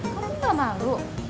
kamu gak malu